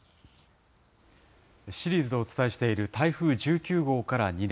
シリーズでお伝えしている台風１９号から２年。